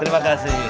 terima kasih ya